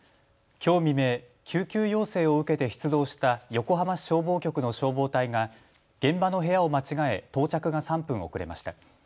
きょう未明、救急要請を受けて出動した横浜市消防局の消防隊が現場の部屋を間違え到着が３分遅れました。